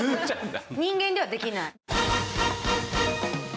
人間ではできない。